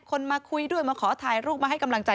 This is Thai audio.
มาคุยด้วยมาขอถ่ายรูปมาให้กำลังใจ